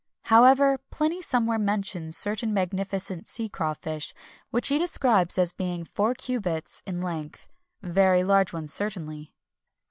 However, Pliny somewhere mentions certain magnificent sea crawfish, which he describes as being four cubits in length[XXI 261] very large ones, certainly.